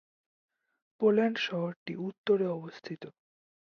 Poland শহরটি উত্তরে অবস্থিত।